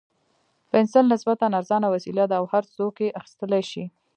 پنسل نسبتاً ارزانه وسیله ده او هر څوک یې اخیستلای شي.